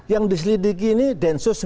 yang diselidiki ini densus sembilan puluh tujuh